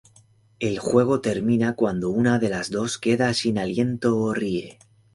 El juego termina cuando una de las dos queda sin aliento o ríe.